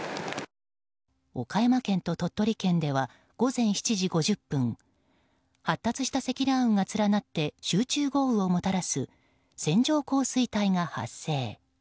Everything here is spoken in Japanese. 岡山県と鳥取県では午前７時５０分発達した積乱雲が連なって集中豪雨をもたらす線状降水帯が発生。